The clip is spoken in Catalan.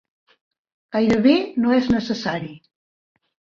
Gairebé no és necessari.